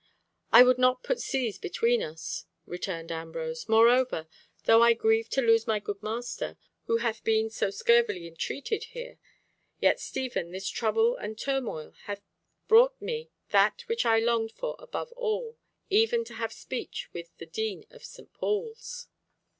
"I would not put seas between us," returned Ambrose. "Moreover, though I grieve to lose my good master, who hath been so scurvily entreated here, yet, Stephen, this trouble and turmoil hath brought me that which I longed for above all, even to have speech with the Dean of St. Paul's."